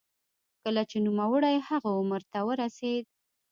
کله چې نوموړی هغه عمر ته ورسېد.